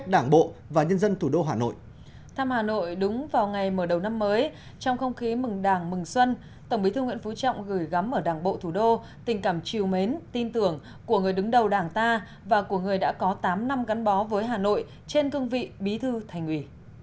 đảng bộ đúng vào ngày mở đầu năm mới trong không khí mừng đảng mừng xuân tổng bí thư nguyễn phú trọng gửi gắm ở đảng bộ thủ đô tình cảm chiều mến tin tưởng của người đứng đầu đảng ta và của người đã có tám năm gắn bó với hà nội trên cương vị bí thư thành ủy